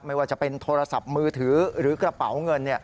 ไม่ว่าจะเป็นโทรศัพท์มือถือหรือกระเป๋าเงิน